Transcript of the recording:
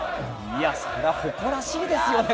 それは誇らしいですよね